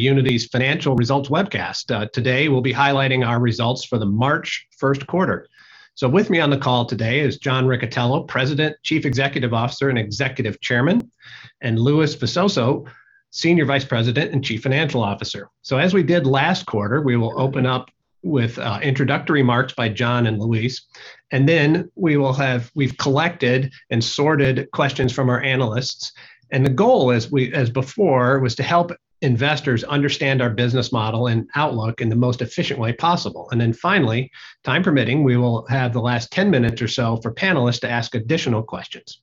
Unity's financial results webcast. Today, we'll be highlighting our results for the March first quarter. With me on the call today is John Riccitiello, President, Chief Executive Officer, and Executive Chairman, and Luis Visoso, Senior Vice President and Chief Financial Officer. As we did last quarter, we will open up with introductory remarks by John and Luis, then we've collected and sorted questions from our analysts. The goal, as before, was to help investors understand our business model and outlook in the most efficient way possible. Then finally, time permitting, we will have the last 10 minutes or so for panelists to ask additional questions.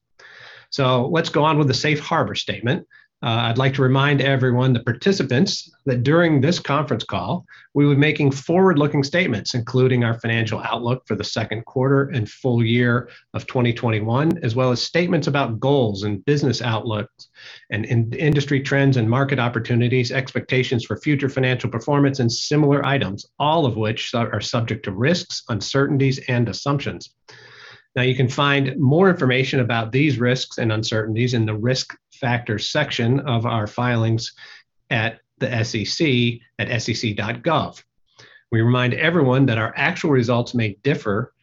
Let's go on with the safe harbor statement. I'd like to remind everyone, the participants, that during this conference call, we'll be making forward-looking statements, including our financial outlook for the second quarter and full year of 2021, as well as statements about goals and business outlooks, industry trends and market opportunities, expectations for future financial performance, and similar items, all of which are subject to risks, uncertainties, and assumptions. You can find more information about these risks and uncertainties in the risk factors section of our filings at the SEC at sec.gov. We remind everyone that our actual results may differ,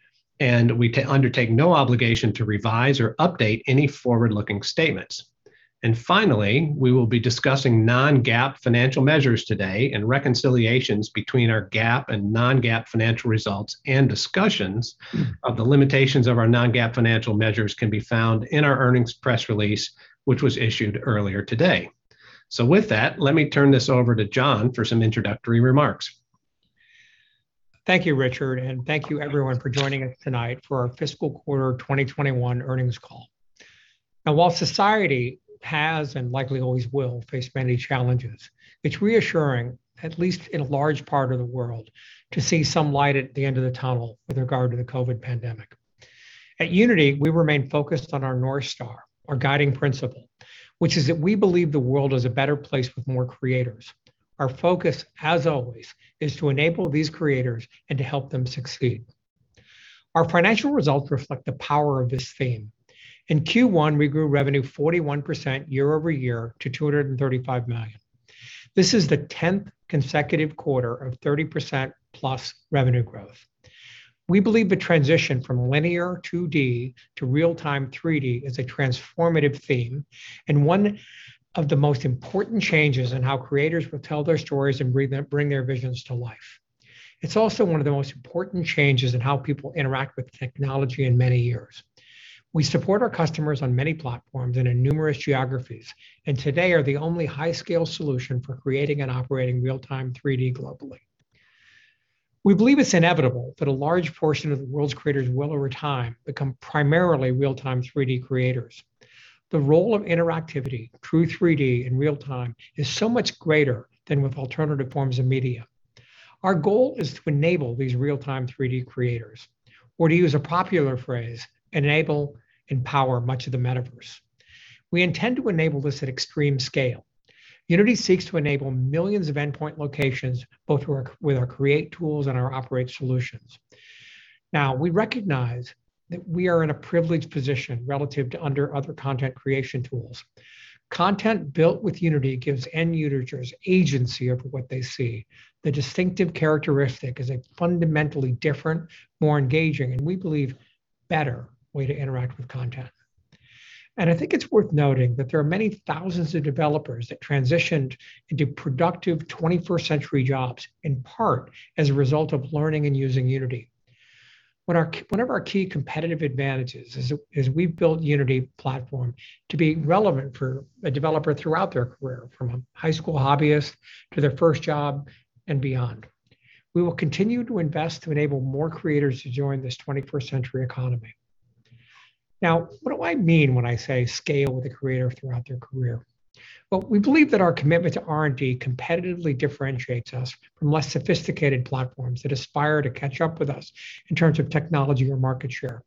we undertake no obligation to revise or update any forward-looking statements. Finally, we will be discussing non-GAAP financial measures today, and reconciliations between our GAAP and non-GAAP financial results, and discussions of the limitations of our non-GAAP financial measures can be found in our earnings press release, which was issued earlier today. With that, let me turn this over to John for some introductory remarks. Thank you, Richard, and thank you everyone for joining us tonight for our fiscal quarter 2021 earnings call. Now while society has, and likely always will, face many challenges, it's reassuring, at least in a large part of the world, to see some light at the end of the tunnel with regard to the COVID pandemic. At Unity, we remain focused on our North Star, our guiding principle, which is that we believe the world is a better place with more creators. Our focus, as always, is to enable these creators and to help them succeed. Our financial results reflect the power of this theme. In Q1, we grew revenue 41% year-over-year to $235 million. This is the 10th consecutive quarter of 30%+ revenue growth. We believe the transition from linear 2D to real-time 3D is a transformative theme, and one of the most important changes in how creators will tell their stories and bring their visions to life. It's also one of the most important changes in how people interact with technology in many years. We support our customers on many platforms and in numerous geographies, and today are the only high-scale solution for creating and operating real-time 3D globally. We believe it's inevitable that a large portion of the world's creators will, over time, become primarily real-time 3D creators. The role of interactivity, true 3D in real time, is so much greater than with alternative forms of media. Our goal is to enable these real-time 3D creators, or to use a popular phrase, enable and power much of the metaverse. We intend to enable this at extreme scale. Unity seeks to enable millions of endpoint locations, both with our create tools and our operate solutions. We recognize that we are in a privileged position relative to other content creation tools. Content built with Unity gives end users agency over what they see. The distinctive characteristic is a fundamentally different, more engaging, and we believe, better way to interact with content. I think it is worth noting that there are many thousands of developers that transitioned into productive 21st century jobs, in part as a result of learning and using Unity. One of our key competitive advantages is we have built Unity platform to be relevant for a developer throughout their career, from a high school hobbyist to their first job and beyond. We will continue to invest to enable more creators to join this 21st century economy. What do I mean when I say scale with a creator throughout their career? Well, we believe that our commitment to R&D competitively differentiates us from less sophisticated platforms that aspire to catch up with us in terms of technology or market share.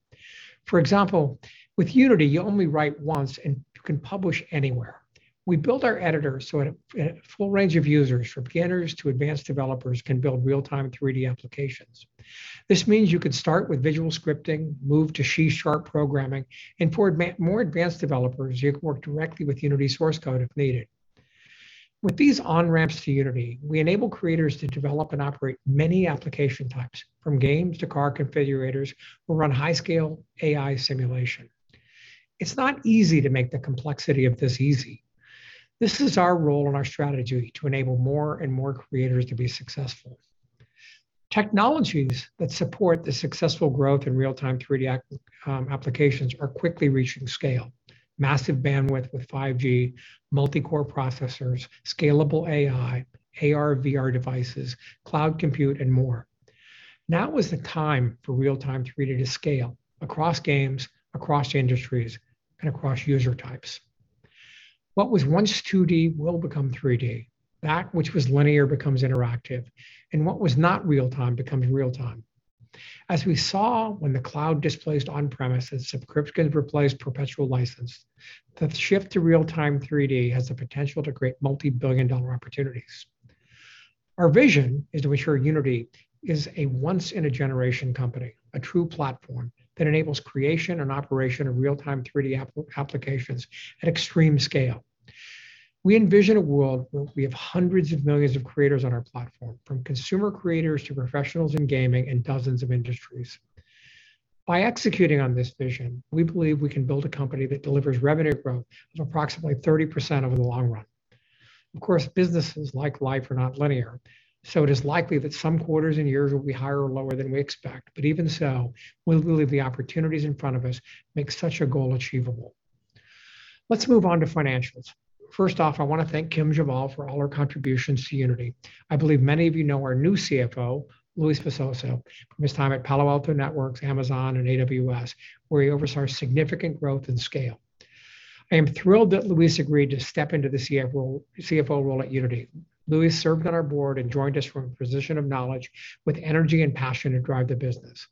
For example, with Unity, you only write once and you can publish anywhere. We built our editor so a full range of users, from beginners to advanced developers, can build real-time 3D applications. This means you can start with visual scripting, move to C# programming, and for more advanced developers, you can work directly with Unity source code if needed. With these on-ramps to Unity, we enable creators to develop and operate many application types, from games to car configurators, or run high-scale AI simulation. It's not easy to make the complexity of this easy. This is our role and our strategy to enable more and more creators to be successful. Technologies that support the successful growth in real-time 3D applications are quickly reaching scale. Massive bandwidth with 5G, multi-core processors, scalable AI, AR/VR devices, cloud compute, and more. Now is the time for real-time 3D to scale across games, across industries, and across user types. What was once 2D will become 3D. That which was linear becomes interactive. What was not real-time becomes real-time. As we saw when the cloud displaced on-premises, subscription replaced perpetual license, the shift to real-time 3D has the potential to create multi-billion dollar opportunities. Our vision is to ensure Unity is a once-in-a-generation company, a true platform that enables creation and operation of real-time 3D applications at extreme scale. We envision a world where we have hundreds of millions of creators on our platform, from consumer creators to professionals in gaming and dozens of industries. By executing on this vision, we believe we can build a company that delivers revenue growth of approximately 30% over the long run. Of course, businesses, like life, are not linear, so it is likely that some quarters and years will be higher or lower than we expect. But even so, we believe the opportunities in front of us make such a goal achievable. Let's move on to financials. First off, I want to thank Kim Jabal for all her contributions to Unity. I believe many of you know our new CFO, Luis Visoso, from his time at Palo Alto Networks, Amazon, and AWS, where he oversaw significant growth and scale. I am thrilled that Luis agreed to step into the CFO role at Unity. Luis served on our board and joins us from a position of knowledge with energy and passion to drive the business.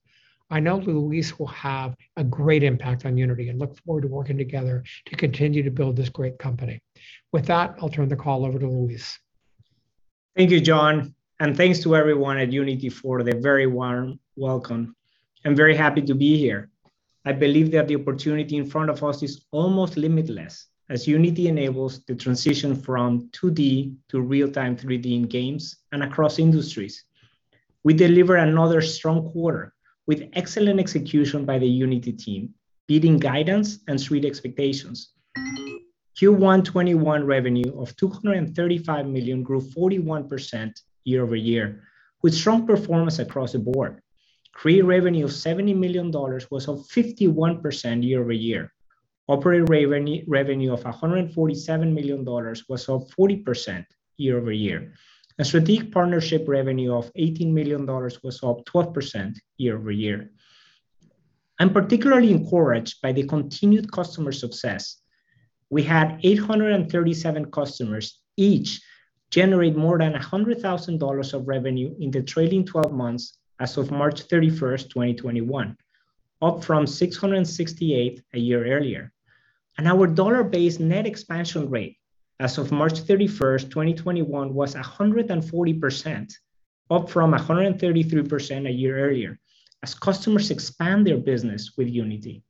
I know Luis will have a great impact on Unity and look forward to working together to continue to build this great company. With that, I'll turn the call over to Luis. Thank you, John, and thanks to everyone at Unity for the very warm welcome. I'm very happy to be here. I believe that the opportunity in front of us is almost limitless, as Unity enables the transition from 2D to real-time 3D in games and across industries. We delivered another strong quarter, with excellent execution by the Unity team, beating guidance and street expectations. Q1 2021 revenue of $235 million grew 41% year-over-year, with strong performance across the board. Create revenue of $70 million was up 51% year-over-year. Operate revenue of $147 million was up 40% year-over-year. Strategic partnership revenue of $18 million was up 12% year-over-year. I'm particularly encouraged by the continued customer success. We had 837 customers each generate more than $100,000 of revenue in the trailing 12 months as of March 31st, 2021, up from 668 a year earlier. Our dollar-based net expansion rate as of March 31st, 2021, was 140%, up from 133% a year earlier, as customers expand their business with Unity.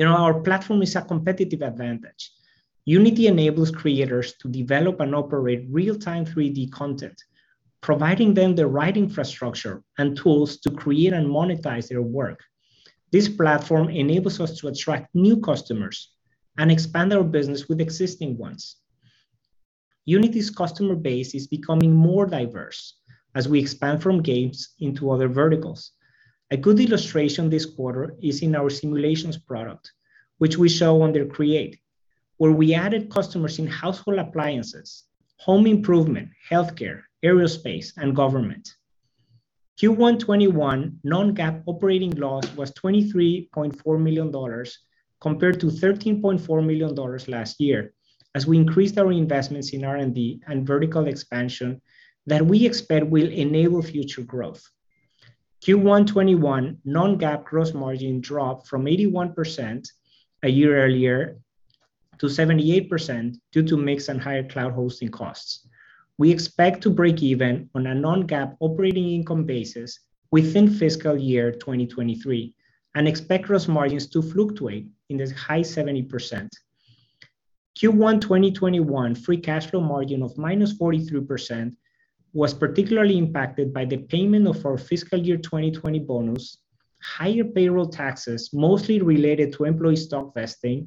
Our platform is a competitive advantage. Unity enables creators to develop and operate real-time 3D content, providing them the right infrastructure and tools to create and monetize their work. This platform enables us to attract new customers and expand our business with existing ones. Unity's customer base is becoming more diverse as we expand from games into other verticals. A good illustration this quarter is in our simulations product, which we show under create, where we added customers in household appliances, home improvement, healthcare, aerospace, and government. Q1 2021 non-GAAP operating loss was $23.4 million compared to $13.4 million last year, as we increased our investments in R&D and vertical expansion that we expect will enable future growth. Q1 2021 non-GAAP gross margin dropped from 81% a year earlier to 78% due to mix and higher cloud hosting costs. We expect to break even on a non-GAAP operating income basis within fiscal year 2023 and expect gross margins to fluctuate in the high 70%. Q1 2021 free cash flow margin of -43% was particularly impacted by the payment of our fiscal year 2020 bonus, higher payroll taxes, mostly related to employee stock vesting,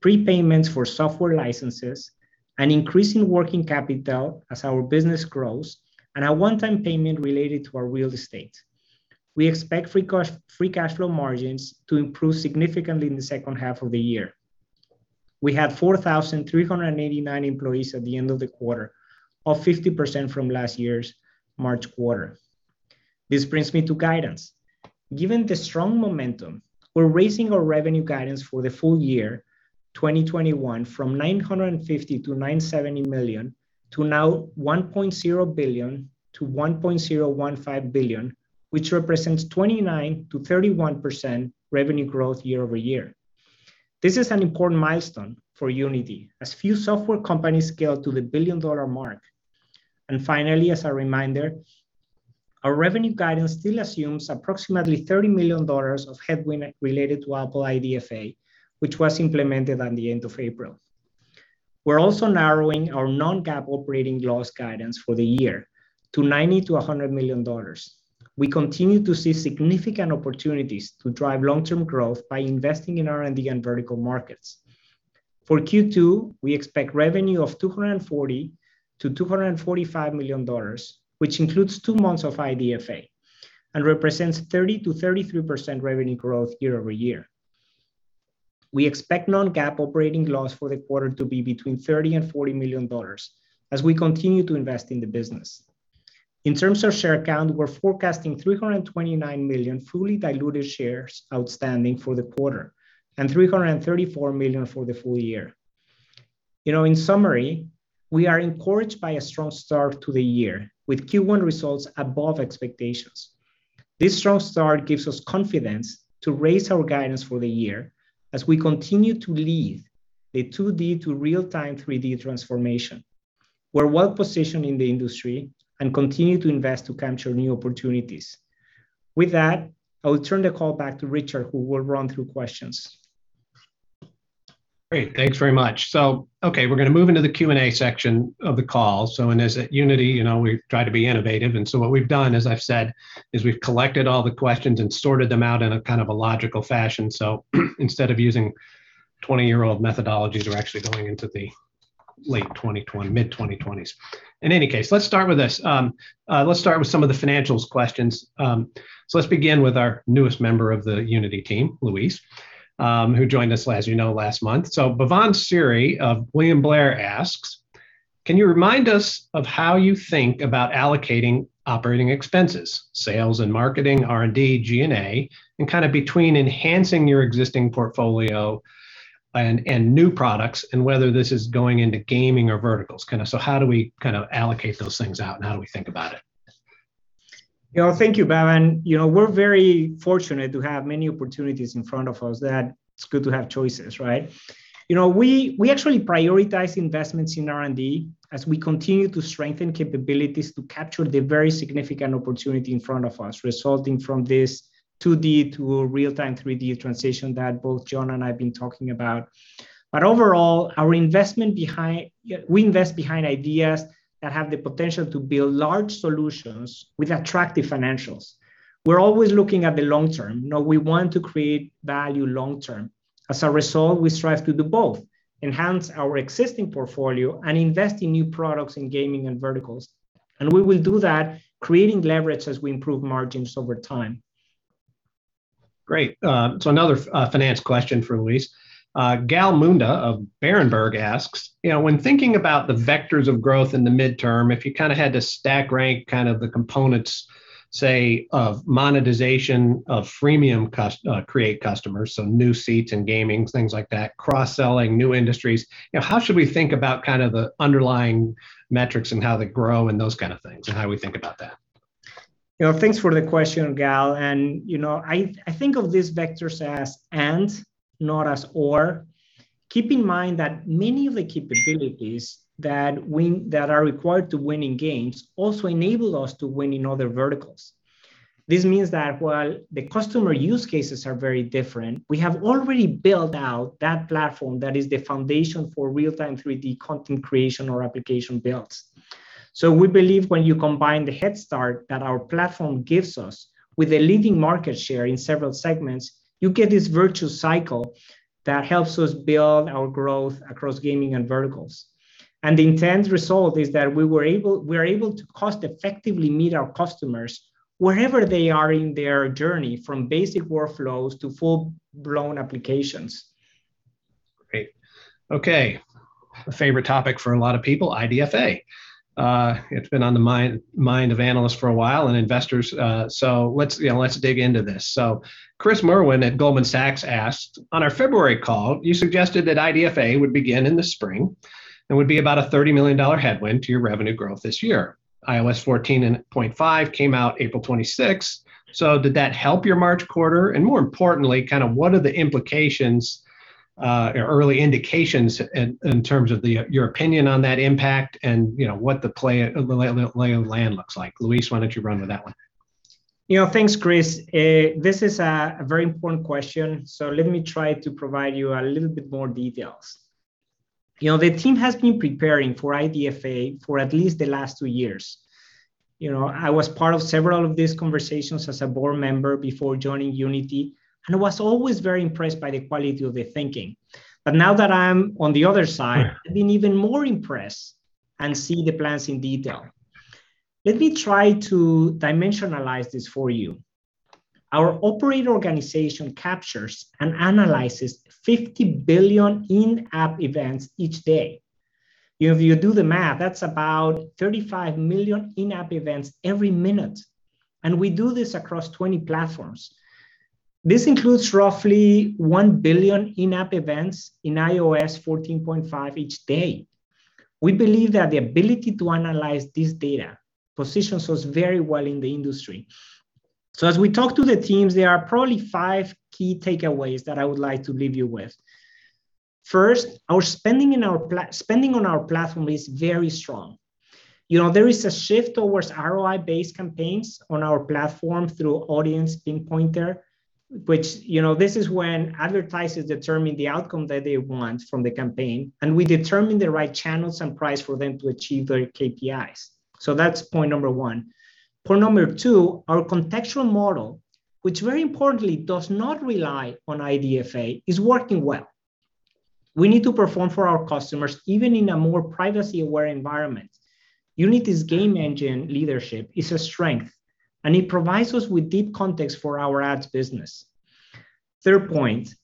prepayments for software licenses, an increase in working capital as our business grows, and a one-time payment related to our real estate. We expect free cash flow margins to improve significantly in the second half of the year. We had 4,389 employees at the end of the quarter, up 50% from last year's March quarter. This brings me to guidance. Given the strong momentum, we're raising our revenue guidance for the full year 2021 from $950 million-$970 million to now $1.0 billion-$1.015 billion, which represents 29%-31% revenue growth year-over-year. This is an important milestone for Unity, as few software companies scale to the billion-dollar mark. Finally, as a reminder, our revenue guidance still assumes approximately $30 million of headwind related to Apple IDFA, which was implemented at the end of April. We're also narrowing our non-GAAP operating loss guidance for the year to $90 million-$100 million. We continue to see significant opportunities to drive long-term growth by investing in R&D and vertical markets. For Q2, we expect revenue of $240 million-$245 million, which includes two months of IDFA and represents 30%-33% revenue growth year-over-year. We expect non-GAAP operating loss for the quarter to be between $30 million and $40 million as we continue to invest in the business. In terms of share count, we're forecasting 329 million fully diluted shares outstanding for the quarter and 334 million for the full year. In summary, we are encouraged by a strong start to the year, with Q1 results above expectations. This strong start gives us confidence to raise our guidance for the year as we continue to lead the 2D to real-time 3D transformation. We're well-positioned in the industry and continue to invest to capture new opportunities. I will turn the call back to Richard, who will run through questions. Great. Thanks very much. Okay, we're going to move into the Q&A section of the call. As at Unity, we try to be innovative, what we've done, as I've said, is we've collected all the questions and sorted them out in a logical fashion. Instead of using 20-year-old methodologies, we're actually going into the mid-2020s. In any case, let's start with this. Let's start with some of the financials questions. Let's begin with our newest member of the Unity team, Luis, who joined us, as you know, last month. Bhavan Suri of William Blair asks, can you remind us of how you think about allocating operating expenses, sales and marketing, R&D, G&A, and between enhancing your existing portfolio and new products, and whether this is going into gaming or verticals? How do we allocate those things out, and how do we think about it? Thank you, Bhavan. We're very fortunate to have many opportunities in front of us that it's good to have choices, right? We actually prioritize investments in R&D as we continue to strengthen capabilities to capture the very significant opportunity in front of us, resulting from this 2D to real-time 3D transition that both John and I have been talking about. Overall, we invest behind ideas that have the potential to build large solutions with attractive financials. We're always looking at the long term. We want to create value long term. As a result, we strive to do both, enhance our existing portfolio and invest in new products in gaming and verticals. We will do that, creating leverage as we improve margins over time. Great. Another finance question for Luis. Gal Munda of Berenberg asks, when thinking about the vectors of growth in the midterm, if you had to stack rank the components, say, of monetization of freemium create customers, so new seats and gaming, things like that, cross-selling new industries, how should we think about the underlying metrics and how they grow and those kind of things, and how we think about that? Thanks for the question, Gal. I think of these vectors as and, not as or. Keep in mind that many of the capabilities that are required to win in games also enable us to win in other verticals. This means that while the customer use cases are very different, we have already built out that platform that is the foundation for real-time 3D content creation or application builds. We believe when you combine the head start that our platform gives us with a leading market share in several segments, you get this virtual cycle that helps us build our growth across gaming and verticals. The end result is that we are able to cost effectively meet our customers wherever they are in their journey, from basic workflows to full-blown applications. Great. Okay. A favorite topic for a lot of people, IDFA. It's been on the mind of analysts for a while, and investors, let's dig into this. Chris Merwin at Goldman Sachs asked, on our February call, you suggested that IDFA would begin in the spring and would be about a $30 million headwind to your revenue growth this year. iOS 14.5 came out April 26th, did that help your March quarter? More importantly, what are the implications or early indications in terms of your opinion on that impact and what the lay of land looks like? Luis, why don't you run with that one? Thanks, Chris. This is a very important question. Let me try to provide you a little bit more details. The team has been preparing for IDFA for at least the last two years. I was part of several of these conversations as a board member before joining Unity and was always very impressed by the quality of the thinking. Now that I'm on the other side, I've been even more impressed and see the plans in detail. Let me try to dimensionalize this for you. Our operating organization captures and analyzes 50 billion in-app events each day. If you do the math, that's about 35 million in-app events every minute, and we do this across 20 platforms. This includes roughly one billion in-app events in iOS 14.5 each day. We believe that the ability to analyze this data positions us very well in the industry. As we talk to the teams, there are probably five key takeaways that I would like to leave you with. First, our spending on our platform is very strong. There is a shift towards ROI-based campaigns on our platform through Audience Pinpointer, which is when advertisers determine the outcome that they want from the campaign, and we determine the right channels and price for them to achieve their KPIs. That's point number one. Point number two, our contextual model, which very importantly does not rely on IDFA, is working well. We need to perform for our customers, even in a more privacy-aware environment. Unity's game engine leadership is a strength, and it provides us with deep context for our ads business. Third point,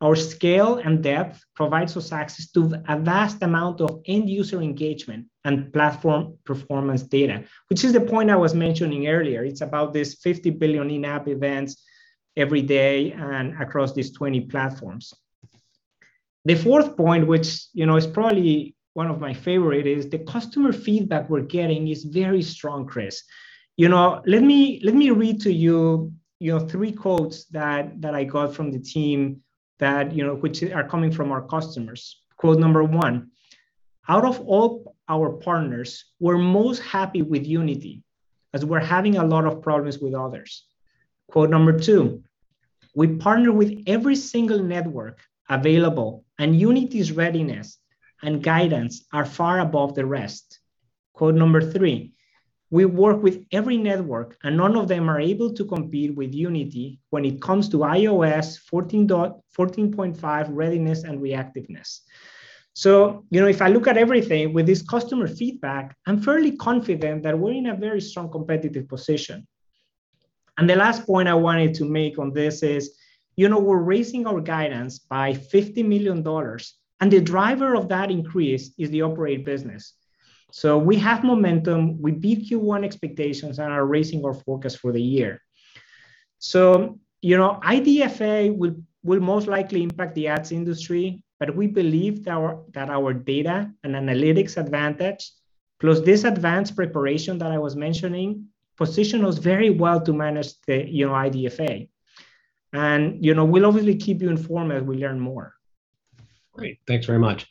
our scale and depth provides us access to a vast amount of end-user engagement and platform performance data, which is the point I was mentioning earlier. It's about these 50 billion in-app events every day and across these 20 platforms. The fourth point, which is probably one of my favorite, is the customer feedback we're getting is very strong, Chris. Let me read to you three quotes that I got from the team, which are coming from our customers. Quote number one: out of all our partners, we're most happy with Unity, as we're having a lot of problems with others. Quote number two: we partner with every single network available, Unity's readiness and guidance are far above the rest. Quote number three: we work with every network, none of them are able to compete with Unity when it comes to iOS 14.5 readiness and reactiveness. If I look at everything with this customer feedback, I'm fairly confident that we're in a very strong competitive position. The last point I wanted to make on this is, we're raising our guidance by $50 million, and the driver of that increase is the operate business. We have momentum. We beat Q1 expectations and are raising our forecast for the year. IDFA will most likely impact the ads industry, but we believe that our data and analytics advantage, plus this advanced preparation that I was mentioning, positions us very well to manage the IDFA. We'll obviously keep you informed as we learn more. Great. Thanks very much.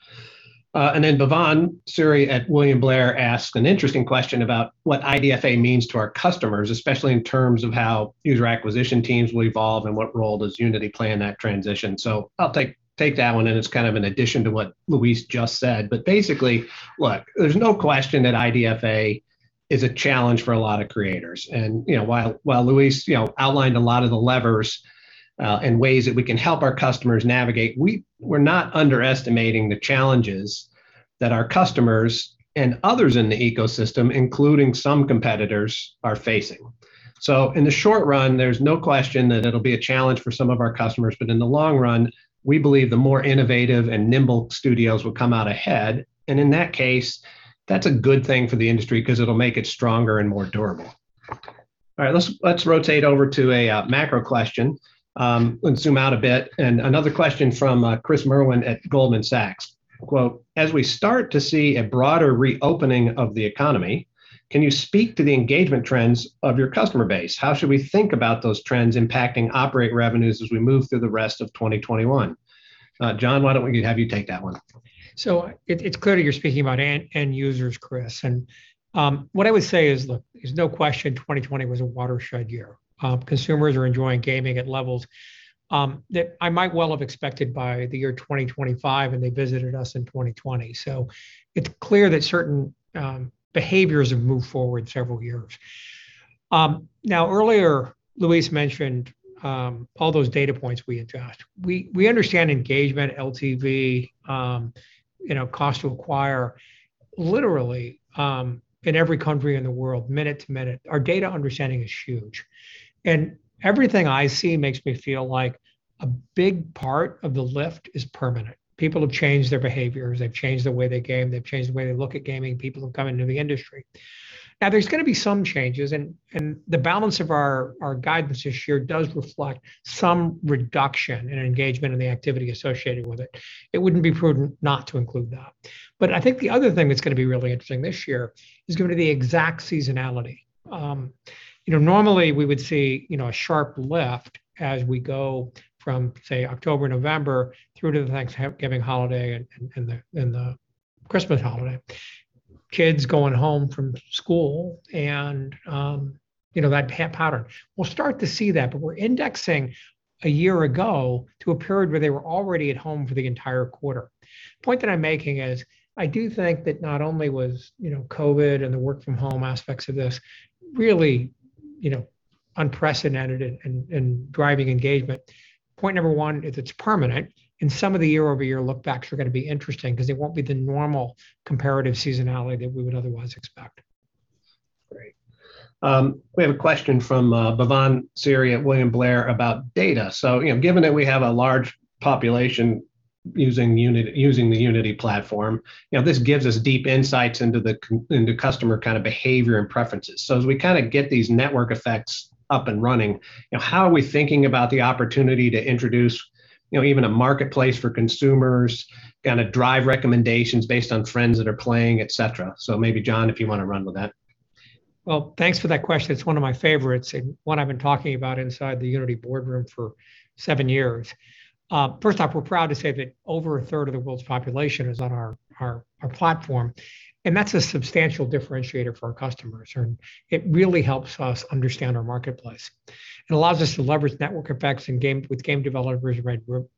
Bhavan Suri at William Blair asked an interesting question about what IDFA means to our customers, especially in terms of how user acquisition teams will evolve and what role does Unity play in that transition. I'll take that one, and it's kind of an addition to what Luis just said. Basically, look, there's no question that IDFA is a challenge for a lot of creators. While Luis outlined a lot of the levers and ways that we can help our customers navigate, we're not underestimating the challenges that our customers and others in the ecosystem, including some competitors, are facing. In the short run, there's no question that it'll be a challenge for some of our customers, in the long run, we believe the more innovative and nimble studios will come out ahead. In that case, that's a good thing for the industry because it'll make it stronger and more durable. All right. Let's rotate over to a macro question and zoom out a bit. Another question from Chris Merwin at Goldman Sachs. Quote, as we start to see a broader reopening of the economy, can you speak to the engagement trends of your customer base? How should we think about those trends impacting operate revenues as we move through the rest of 2021? John, why don't we have you take that one? It's clear that you're speaking about end users, Chris, and what I would say is, look, there's no question 2020 was a watershed year. Consumers are enjoying gaming at levels that I might well have expected by the year 2025, and they visited us in 2020. It's clear that certain behaviors have moved forward several years. Now, earlier, Luis mentioned all those data points we attach. We understand engagement, LTV, cost to acquire, literally in every country in the world, minute to minute. Our data understanding is huge. Everything I see makes me feel like a big part of the lift is permanent. People have changed their behaviors. They've changed the way they game. They've changed the way they look at gaming. People have come into the industry. There's going to be some changes, and the balance of our guidance this year does reflect some reduction in engagement and the activity associated with it. It wouldn't be prudent not to include that. I think the other thing that's going to be really interesting this year is going to be the exact seasonality. Normally we would see a sharp lift as we go from, say, October, November through to the Thanksgiving holiday and the Christmas holiday, kids going home from school and that pattern. We'll start to see that, but we're indexing a year ago to a period where they were already at home for the entire quarter. The point that I'm making is I do think that not only was COVID and the work from home aspects of this really unprecedented and driving engagement. Point number one, if it's permanent, and some of the year-over-year look backs are going to be interesting because it won't be the normal comparative seasonality that we would otherwise expect. Great. We have a question from Bhavan Suri at William Blair about data. Given that we have a large population using the Unity platform, this gives us deep insights into customer behavior and preferences. As we get these network effects up and running, how are we thinking about the opportunity to introduce even a marketplace for consumers, drive recommendations based on friends that are playing, et cetera? Maybe, John, if you want to run with that. Well, thanks for that question. It's one of my favorites and one I've been talking about inside the Unity boardroom for seven years. First off, we're proud to say that over a third of the world's population is on our platform, and that's a substantial differentiator for our customers, and it really helps us understand our marketplace, and allows us to leverage network effects with game developers,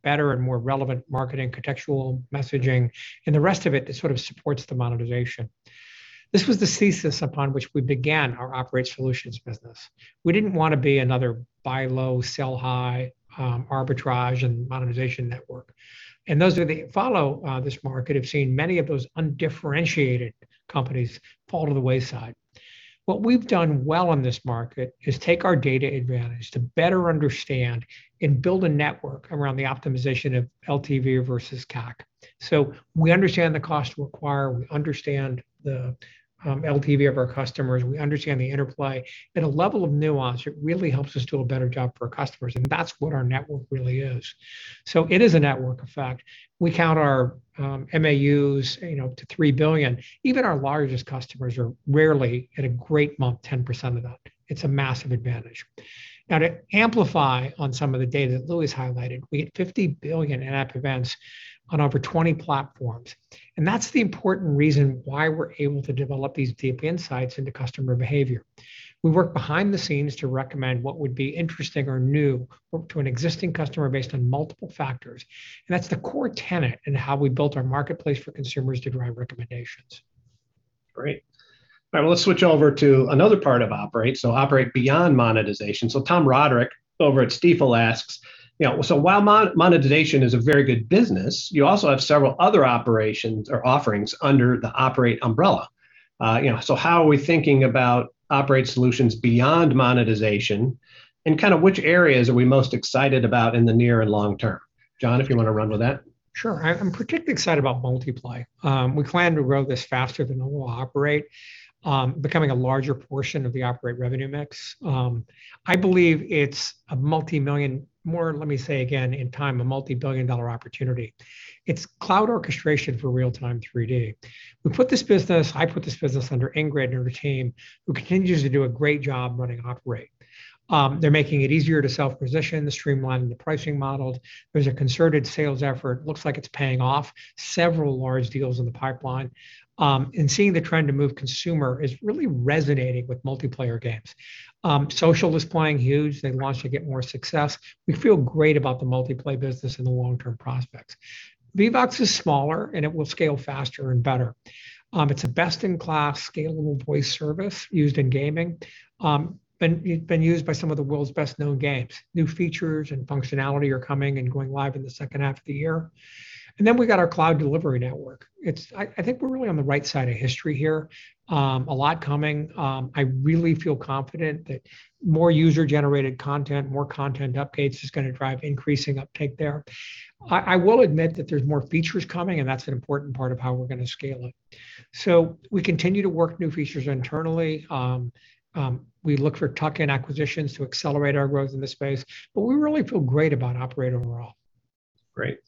better and more relevant marketing, contextual messaging, and the rest of it that sort of supports the monetization. This was the thesis upon which we began our operate solutions business. We didn't want to be another buy low, sell high, arbitrage and monetization network. Those that follow this market have seen many of those undifferentiated companies fall to the wayside. What we've done well in this market is take our data advantage to better understand and build a network around the optimization of LTV versus CAC. We understand the cost to acquire, we understand the LTV of our customers, we understand the interplay at a level of nuance that really helps us do a better job for our customers, and that's what our network really is. It is a network effect. We count our MAUs up to 3,000,000,000. Even our largest customers are rarely, at a great month, 10% of that. It's a massive advantage. Now, to amplify on some of the data that Luis highlighted, we had 50 billion in-app events on over 20 platforms, and that's the important reason why we're able to develop these deep insights into customer behavior. We work behind the scenes to recommend what would be interesting or new to an existing customer based on multiple factors. That's the core tenet in how we built our marketplace for consumers to drive recommendations. Great. Now let's switch over to another part of operate, so operate beyond monetization. Tom Roderick over at Stifel asks, while monetization is a very good business, you also have several other operations or offerings under the operate umbrella. How are we thinking about operate solutions beyond monetization, and which areas are we most excited about in the near and long term? John, if you want to run with that. Sure. I'm particularly excited about Multiplay. We plan to grow this faster than operate, becoming a larger portion of the operate revenue mix. I believe it's a multi-million more, let me say again, in time, a multi-billion dollar opportunity. It's cloud orchestration for real-time 3D. I put this business under Ingrid and her team, who continues to do a great job running operate. They're making it easier to self-position, they're streamlining the pricing model. There's a concerted sales effort. Looks like it's paying off, several large deals in the pipeline. Seeing the trend to move consumer is really resonating with multiplayer games. Social is playing huge. They launch, they get more success. We feel great about the Multiplay business and the long-term prospects. Vivox is smaller, and it will scale faster and better. It's a best-in-class scalable voice service used in gaming. Been used by some of the world's best-known games. New features and functionality are coming and going live in the second half of the year. We've got our cloud delivery network. I think we're really on the right side of history here. A lot coming. I really feel confident that more user-generated content, more content updates, is going to drive increasing uptake there. I will admit that there's more features coming, and that's an important part of how we're going to scale it. We continue to work new features internally. We look for tuck-in acquisitions to accelerate our growth in this space. We really feel great about operate overall. Great.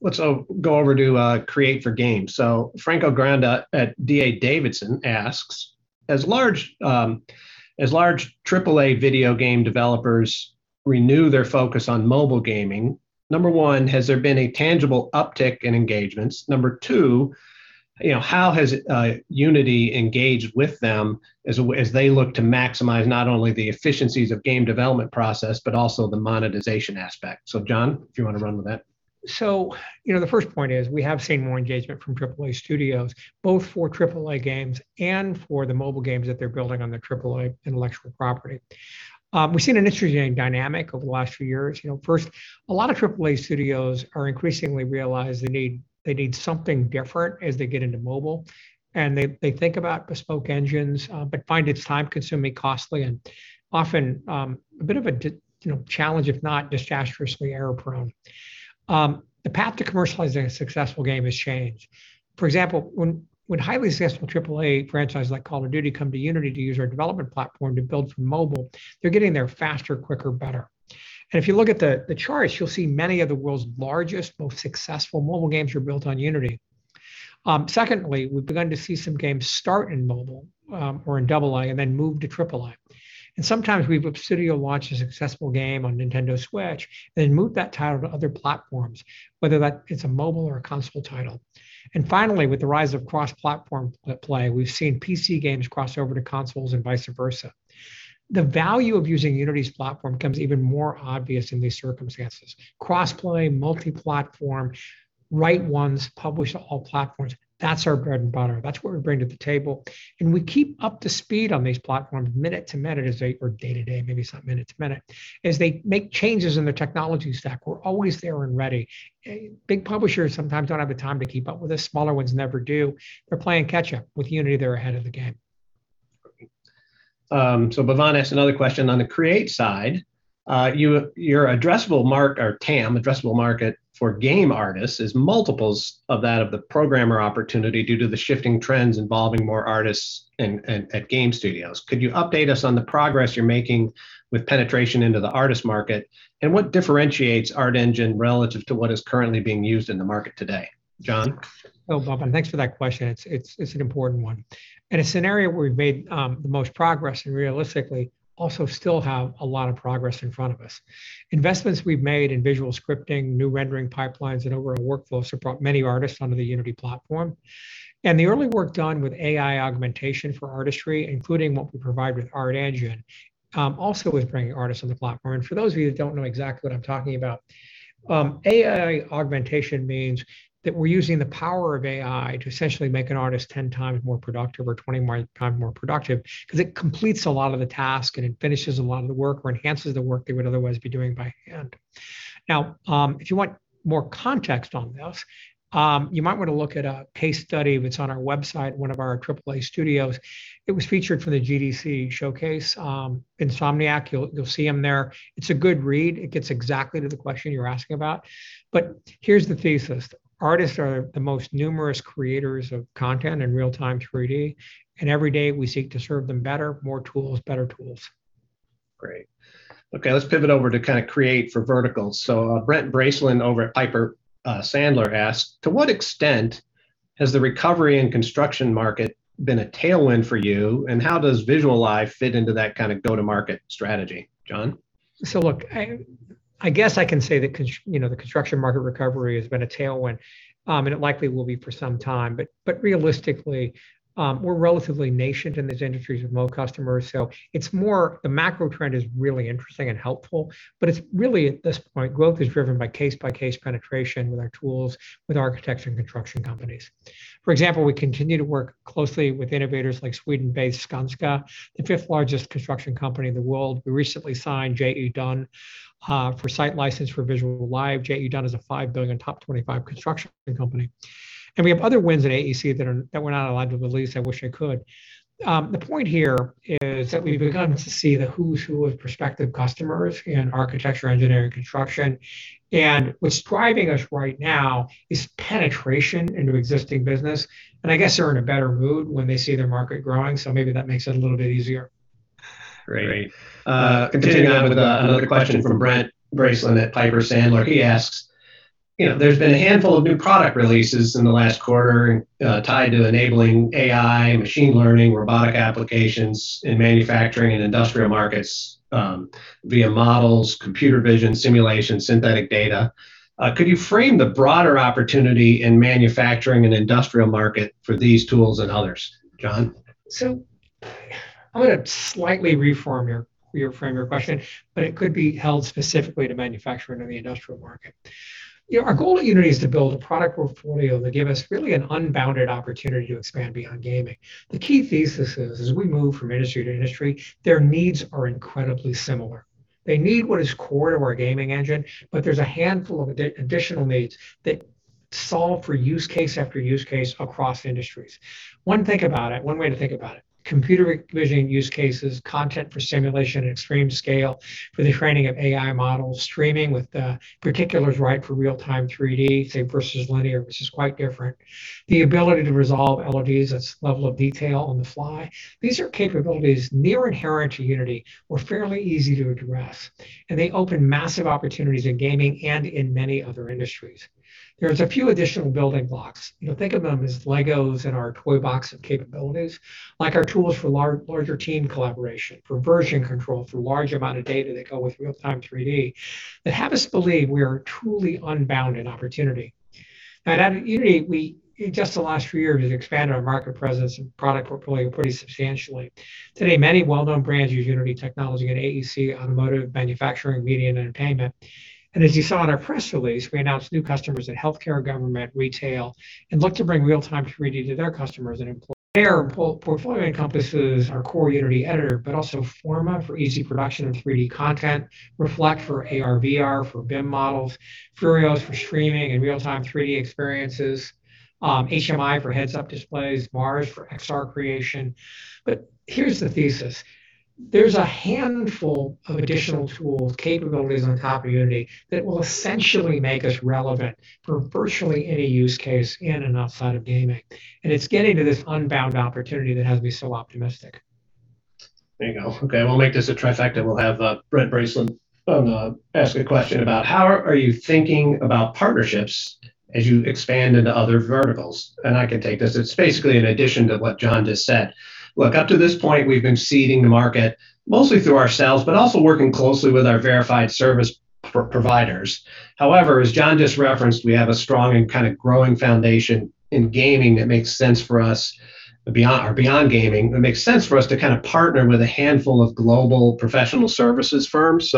Let's go over to create for games. Franco Granda at D.A. Davidson asks, as large AAA video game developers renew their focus on mobile gaming, number one, has there been a tangible uptick in engagements? Number two, how has Unity engaged with them as they look to maximize not only the efficiencies of game development process, but also the monetization aspect? John, if you want to run with that. The first point is we have seen more engagement from AAA studios, both for AAA games and for the mobile games that they're building on their AAA intellectual property. We've seen an interesting dynamic over the last few years. First, a lot of AAA studios are increasingly realizing they need something different as they get into mobile, and they think about bespoke engines, but find it's time-consuming, costly, and often a bit of a challenge, if not disastrously error-prone. The path to commercializing a successful game has changed. For example, when highly successful AAA franchises like Call of Duty come to Unity to use our development platform to build for mobile, they're getting there faster, quicker, better. If you look at the charts, you'll see many of the world's largest, most successful mobile games were built on Unity. Secondly, we've begun to see some games start in mobile, or in AA, and then move to AAA. Sometimes we've seen a studio launch a successful game on Nintendo Switch, then move that title to other platforms, whether that it's a mobile or a console title. Finally, with the rise of cross-platform play, we've seen PC games cross over to consoles and vice versa. The value of using Unity's platform becomes even more obvious in these circumstances. Cross-play, multi-platform, write onces, published on all platforms. That's our bread and butter. That's what we bring to the table. We keep up to speed on these platforms minute to minute or day to day, maybe it's not minute to minute. As they make changes in their technology stack, we're always there and ready. Big publishers sometimes don't have the time to keep up with us. Smaller ones never do. They're playing catch-up. With Unity, they're ahead of the game. Bhavan asks another question. On the create side, your addressable market, or TAM, for game artists is multiples of that of the programmer opportunity due to the shifting trends involving more artists at game studios. Could you update us on the progress you're making with penetration into the artist market, and what differentiates ArtEngine relative to what is currently being used in the market today? John? Oh, Bhavan, thanks for that question. It's an important one. In a scenario where we've made the most progress and realistically also still have a lot of progress in front of us. Investments we've made in visual scripting, new rendering pipelines, and overall workflows have brought many artists onto the Unity platform. The early work done with AI augmentation for artistry, including what we provide with ArtEngine, also is bringing artists on the platform. For those of you that don't know exactly what I'm talking about, AI augmentation means that we're using the power of AI to essentially make an artist 10 times more productive or 20 times more productive because it completes a lot of the task and it finishes a lot of the work or enhances the work they would otherwise be doing by hand. If you want more context on this, you might want to look at a case study that's on our website, one of our AAA studios. It was featured for the GDC showcase. Insomniac, you'll see them there. It's a good read. It gets exactly to the question you're asking about. Here's the thesis. Artists are the most numerous creators of content in real-time 3D, and every day we seek to serve them better, more tools, better tools. Great. Okay, let's pivot over to create for verticals. Brent Bracelin over at Piper Sandler asks, to what extent has the recovery in construction market been a tailwind for you, and how does VisualLive fit into that kind of go-to-market strategy? John? Look, I guess I can say that the construction market recovery has been a tailwind, and it likely will be for some time. Realistically, we're relatively nascent in these industries with most customers, so the macro trend is really interesting and helpful, but it's really at this point, growth is driven by case-by-case penetration with our tools with architecture and construction companies. For example, we continue to work closely with innovators like Sweden-based Skanska, the fifth largest construction company in the world. We recently signed JE Dunn for site license for VisualLive. JE Dunn is a $5 billion top 25 construction company. We have other wins at AEC that we're not allowed to release. I wish I could. The point here is that we've begun to see the who's who of prospective customers in architecture, engineering, construction, and what's driving us right now is penetration into existing business, and I guess they're in a better mood when they see their market growing, so maybe that makes it a little bit easier. Right. Continuing on with another question from Brent Bracelin at Piper Sandler. He asks, there's been a handful of new product releases in the last quarter tied to enabling AI, machine learning, robotic applications in manufacturing and industrial markets via models, computer vision, simulation, synthetic data. Could you frame the broader opportunity in manufacturing and industrial market for these tools and others? John? I'm going to slightly reframe your question, but it could be held specifically to manufacturing in the industrial market. Our goal at Unity is to build a product portfolio that give us really an unbounded opportunity to expand beyond gaming. The key thesis is, as we move from industry to industry, their needs are incredibly similar. They need what is core to our gaming engine, but there's a handful of additional needs that solve for use case after use case across industries. One way to think about it. Computer vision use cases, content for simulation and extreme scale for the training of AI models, streaming with the particulars right for real-time 3D, say, versus linear, which is quite different. The ability to resolve LODs, that's level of detail, on the fly. These are capabilities near inherent to Unity or fairly easy to address, and they open massive opportunities in gaming and in many other industries. There's a few additional building blocks. Think of them as LEGOs in our toy box of capabilities, like our tools for larger team collaboration, for version control through large amount of data that go with real-time 3D that have us believe we are truly unbound in opportunity. At Unity, we in just the last few years have expanded our market presence and product portfolio pretty substantially. Today, many well-known brands use Unity technology in AEC, automotive, manufacturing, media, and entertainment. As you saw in our press release, we announced new customers in healthcare, government, retail, and look to bring real-time 3D to their customers and employees. Their portfolio encompasses our core Unity Editor, but also Forma for easy production of 3D content, Reflect for AR/VR for BIM models, FURIOOS for streaming and real-time 3D experiences, HMI for heads-up displays, MARS for XR creation. Here's the thesis. There's a handful of additional tools, capabilities on top of Unity that will essentially make us relevant for virtually any use case in and outside of gaming. It's getting to this unbound opportunity that has me so optimistic. There you go. Okay, we'll make this a trifecta. We'll have Brent Bracelin ask a question about how are you thinking about partnerships as you expand into other verticals? I can take this. It's basically an addition to what John just said. Look, up to this point, we've been seeding the market mostly through our sales, but also working closely with our verified service providers. However, as John just referenced, we have a strong and growing foundation in gaming that makes sense for us beyond gaming. It makes sense for us to partner with a handful of global professional services firms.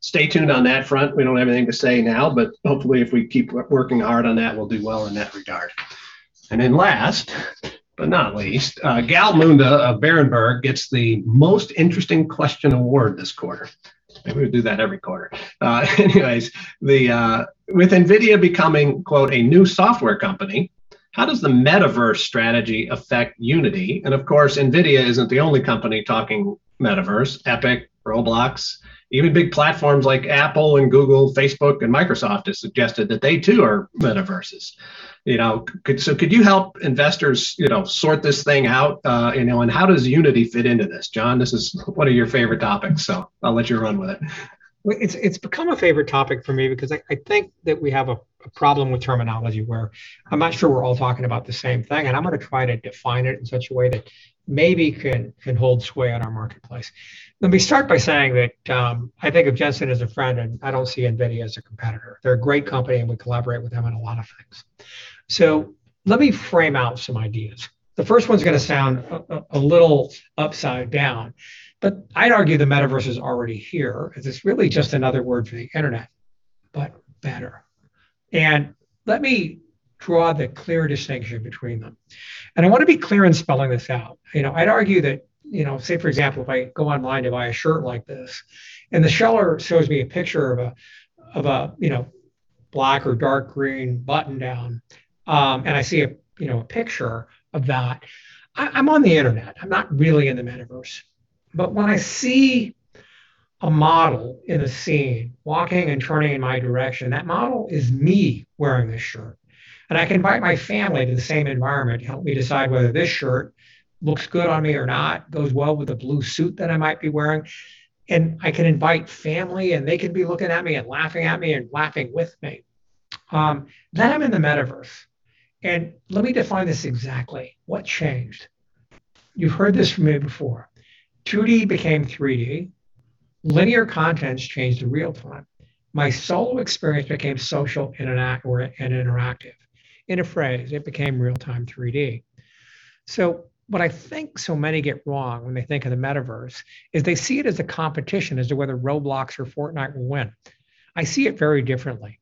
Stay tuned on that front. We don't have anything to say now, but hopefully if we keep working hard on that, we'll do well in that regard. Last but not least, Gal Munda of Berenberg gets the most interesting question award this quarter. Maybe we'll do that every quarter. With NVIDIA becoming, quote, a new software company, how does the metaverse strategy affect Unity? Of course, NVIDIA isn't the only company talking metaverse. Epic, Roblox, even big platforms like Apple and Google, Facebook, and Microsoft have suggested that they too are metaverses. Could you help investors sort this thing out? How does Unity fit into this? John, this is one of your favorite topics, I'll let you run with it. It's become a favorite topic for me because I think that we have a problem with terminology where I'm not sure we're all talking about the same thing, and I'm going to try to define it in such a way that maybe can hold sway on our marketplace. Let me start by saying that I think of Jensen as a friend, and I don't see NVIDIA as a competitor. They're a great company, and we collaborate with them on a lot of things. Let me frame out some ideas. The first one's going to sound a little upside down, but I'd argue the metaverse is already here because it's really just another word for the internet, but better. Let me draw the clear distinction between them. I want to be clear in spelling this out. I'd argue that, say for example, if I go online to buy a shirt like this, and the seller shows me a picture of a black or dark green button-down, and I see a picture of that, I'm on the internet. I'm not really in the metaverse. When I see a model in a scene walking and turning in my direction, that model is me wearing this shirt. I can invite my family to the same environment to help me decide whether this shirt looks good on me or not, goes well with the blue suit that I might be wearing. I can invite family, and they can be looking at me, and laughing at me, and laughing with me. I'm in the metaverse. Let me define this exactly. What changed? You've heard this from me before. 2D became 3D. Linear contents changed to real-time. My solo experience became social and interactive. In a phrase, it became real-time 3D. What I think so many get wrong when they think of the metaverse is they see it as a competition as to whether Roblox or Fortnite will win. I see it very differently.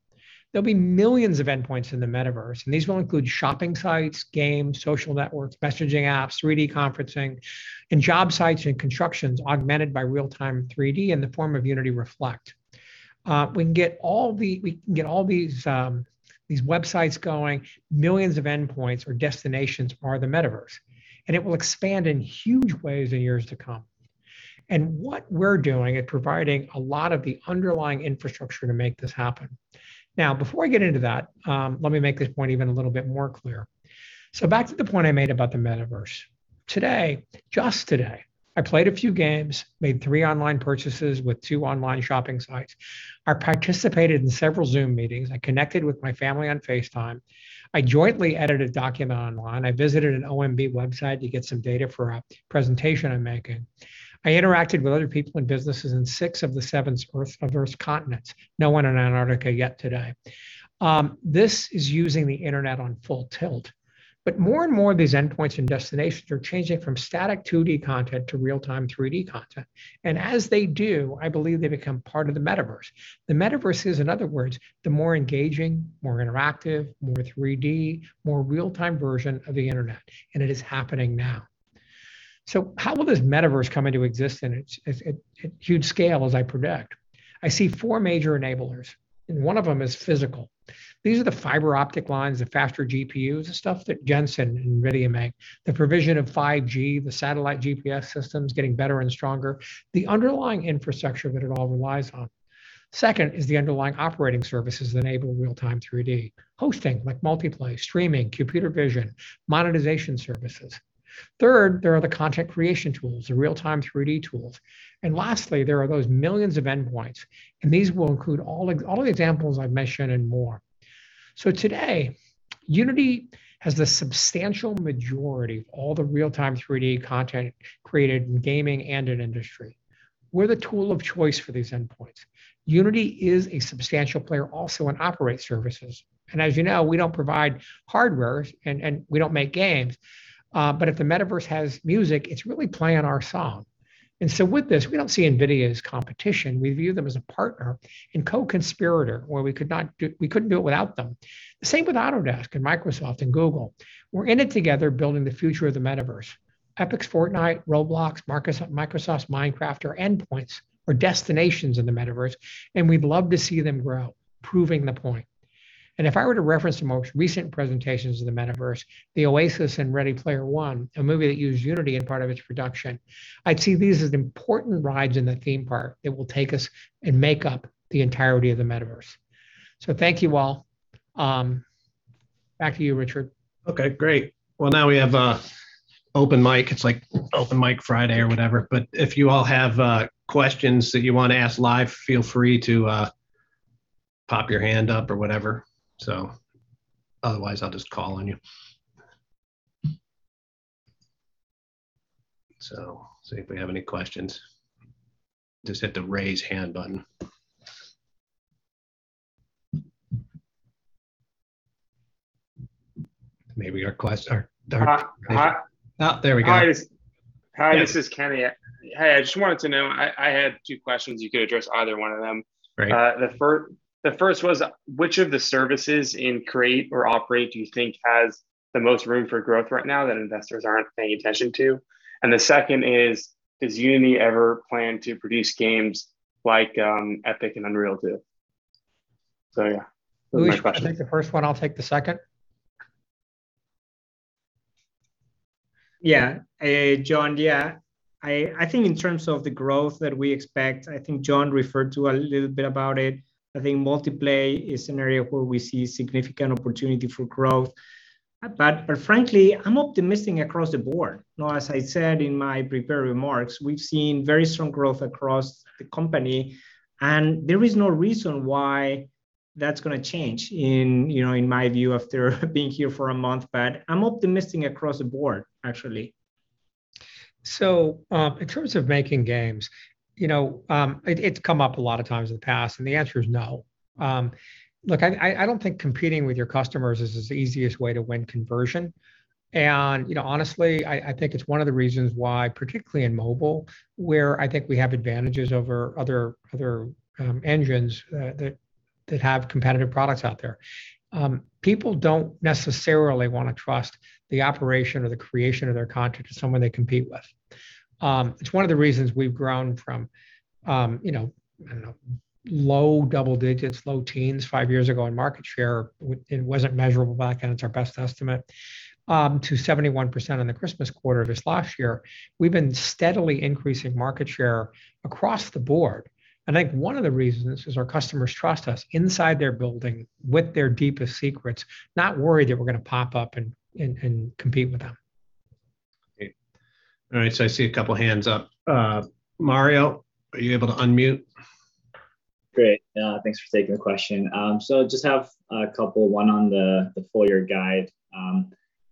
There'll be millions of endpoints in the metaverse, and these will include shopping sites, games, social networks, messaging apps, 3D conferencing, and job sites, and constructions augmented by real-time 3D in the form of Unity Reflect. We can get all these websites going. Millions of endpoints or destinations are the metaverse, and it will expand in huge ways in years to come. What we're doing is providing a lot of the underlying infrastructure to make this happen. Before I get into that, let me make this point even a little bit more clear. Back to the point I made about the metaverse. Today, just today, I played a few games, made three online purchases with two online shopping sites. I participated in several Zoom meetings. I connected with my family on FaceTime. I jointly edited a document online. I visited an OMB website to get some data for a presentation I'm making. I interacted with other people in businesses in six of the seven Earth continents. No one in Antarctica yet today. This is using the internet on full tilt. More and more of these endpoints and destinations are changing from static 2D content to real-time 3D content. As they do, I believe they become part of the metaverse. The metaverse is, in other words, the more engaging, more interactive, more 3D, more real-time version of the internet, and it is happening now. How will this metaverse come into existence at huge scale, as I predict? I see four major enablers, and one of them is physical. These are the fiber optic lines, the faster GPUs, the stuff that Jensen and NVIDIA make, the provision of 5G, the satellite GPS systems getting better and stronger, the underlying infrastructure that it all relies on. Second is the underlying operating services that enable real-time 3D. Hosting, like Multiplay, streaming, computer vision, monetization services. Third, there are the content creation tools, the real-time 3D tools. Lastly, there are those millions of endpoints, and these will include all the examples I've mentioned and more. Today, Unity has the substantial majority of all the real-time 3D content created in gaming and in industry. We're the tool of choice for these endpoints. Unity is a substantial player also in operate services. As you know, we don't provide hardware, and we don't make games. If the metaverse has music, it's really playing our song. With this, we don't see NVIDIA as competition. We view them as a partner and co-conspirator, where we couldn't do it without them. The same with Autodesk and Microsoft and Google. We're in it together, building the future of the metaverse. Epic's Fortnite, Roblox, Microsoft's Minecraft are endpoints or destinations in the metaverse, and we'd love to see them grow, proving the point. If I were to reference the most recent presentations of the metaverse, the OASIS in Ready Player One, a movie that used Unity in part of its production, I'd see these as important rides in the theme park that will take us and make up the entirety of the metaverse. Thank you all. Back to you, Richard. Okay, great. Now we have open mic. It's like open mic Friday or whatever. If you all have questions that you want to ask live, feel free to pop your hand up or whatever. Otherwise, I'll just call on you. See if we have any questions. Just hit the raise hand button. Hi. Oh, there we go. Hi, this is Kenny. Hey, I just wanted to know, I had two questions. You could address either one of them. Great. The first was, which of the services in create or operate do you think has the most room for growth right now that investors aren't paying attention to? The second is, does Unity ever plan to produce games like Epic and Unreal do? Yeah, those are my questions. Luis, you take the first one, I'll take the second. Yeah. John, yeah. I think in terms of the growth that we expect, I think John referred to a little bit about it. I think Multiplay is an area where we see significant opportunity for growth. Frankly, I'm optimistic across the board. As I said in my prepared remarks, we've seen very strong growth across the company, and there is no reason why that's going to change, in my view, after being here for a month, but I'm optimistic across the board, actually. In terms of making games, it's come up a lot of times in the past, and the answer is no. Look, I don't think competing with your customers is the easiest way to win conversion. Honestly, I think it's one of the reasons why, particularly in mobile, where I think we have advantages over other engines that. That have competitive products out there. People don't necessarily want to trust the operation or the creation of their content to someone they compete with. It's one of the reasons we've grown from, I don't know, low double digits, low teens five years ago in market share, it wasn't measurable back then, it's our best estimate, to 71% in the Christmas quarter this last year. We've been steadily increasing market share across the board. I think one of the reasons is our customers trust us inside their building with their deepest secrets, not worried that we're going to pop up and compete with them. Great. All right, I see a couple hands up. Mario, are you able to unmute? Great. Thanks for taking the question. Just have a couple, one on the full year guide.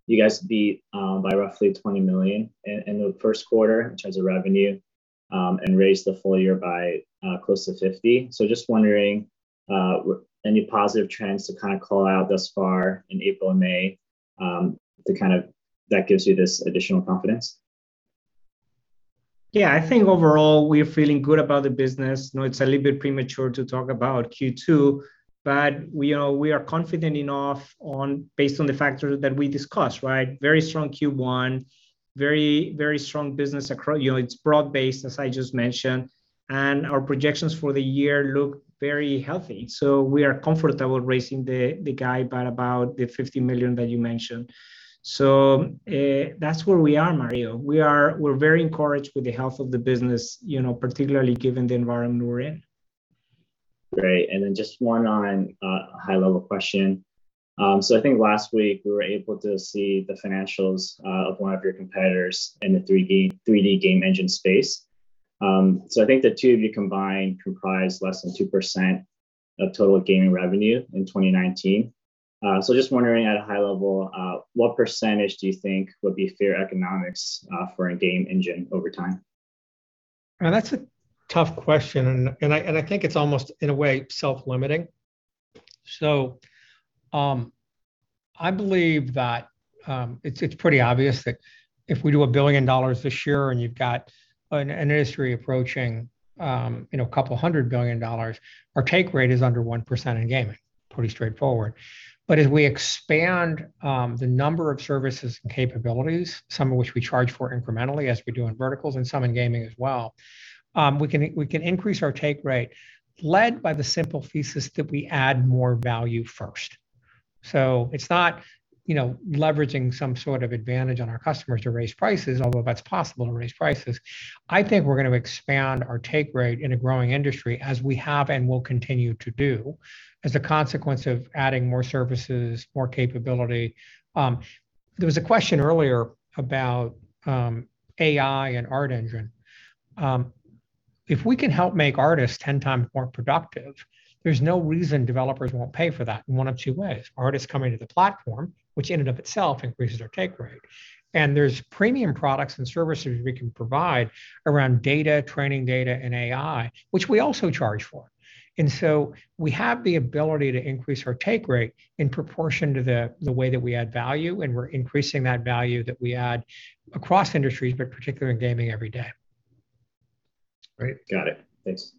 You guys beat by roughly $20 million in the first quarter in terms of revenue, and raised the full year by close to $50 million. Just wondering, any positive trends to call out thus far in April and May, that gives you this additional confidence? Yeah, I think overall, we're feeling good about the business. It's a little bit premature to talk about Q2, but we are confident enough based on the factors that we discussed, right? Very strong Q1, very strong business. It's broad based, as I just mentioned, and our projections for the year look very healthy. We are comfortable raising the guide by about the $50 million that you mentioned. That's where we are, Mario. We're very encouraged with the health of the business, particularly given the environment we're in. Great. Then just one on a high level question. I think last week we were able to see the financials of one of your competitors in the 3D game engine space. I think the two of you combined comprise less than 2% of total gaming revenue in 2019. Just wondering at a high level, what percentage do you think would be fair economics for a game engine over time? That's a tough question, I think it's almost, in a way, self-limiting. I believe that it's pretty obvious that if we do $1 billion this year and you've got an industry approaching a couple of billion dollar, our take rate is under 1% in gaming. Pretty straightforward. As we expand the number of services and capabilities, some of which we charge for incrementally as we do in verticals and some in gaming as well, we can increase our take rate led by the simple thesis that we add more value first. It's not leveraging some sort of advantage on our customers to raise prices, although that's possible to raise prices. I think we're going to expand our take rate in a growing industry as we have and will continue to do as a consequence of adding more services, more capability. There was a question earlier about AI and ArtEngine. If we can help make artists 10 times more productive, there's no reason developers won't pay for that in one of two ways. Artists coming to the platform, which in and of itself increases our take rate, and there's premium products and services we can provide around data, training data, and AI, which we also charge for. We have the ability to increase our take rate in proportion to the way that we add value, and we're increasing that value that we add across industries, but particularly in gaming every day. Great. Got it. Thanks.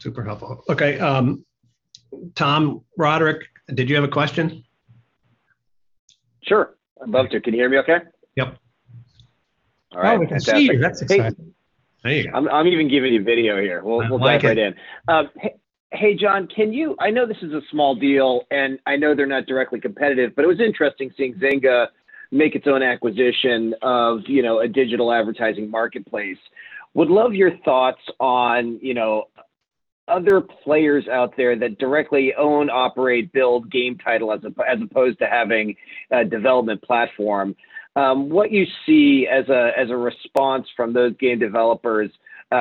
Super helpful. Okay. Tom Roderick, did you have a question? Sure, I'd love to. Can you hear me okay? Yep. Oh, we can see you. That's exciting. There you go. I'm even giving you video here. We'll plug right in. I like it. Hey, John, I know this is a small deal, and I know they're not directly competitive, but it was interesting seeing Zynga make its own acquisition of a digital advertising marketplace. Would love your thoughts on other players out there that directly own, operate, build game title as opposed to having a development platform. What you see as a response from those game developers,